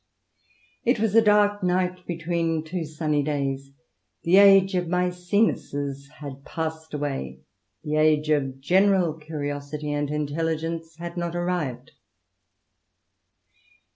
' It was a dark night between two sunny days. The age of Maecenases had passed away. The age of general curiosity and intelligence had not arrived."